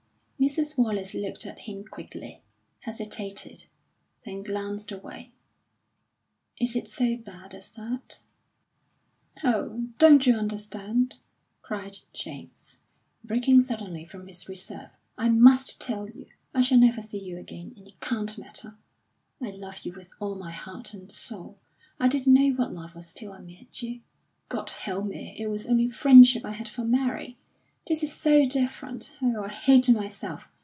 Mrs. Wallace looked at him quickly, hesitated, then glanced away. "Is it so bad as that?" "Oh, don't you understand?" cried James, breaking suddenly from his reserve. "I must tell you. I shall never see you again, and it can't matter. I love you with all my heart and soul. I didn't know what love was till I met you. God help me, it was only friendship I had for Mary! This is so different. Oh, I hate myself!